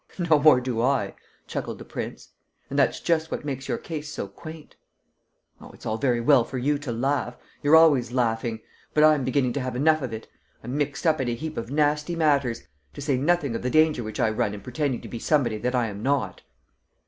"No more do I!" chuckled the prince. "And that's just what makes your case so quaint." "Oh, it's all very well for you to laugh ... you're always laughing! ... But I'm beginning to have enough of it. ... I'm mixed up in a heap of nasty matters ... to say nothing of the danger which I run in pretending to be somebody that I am not."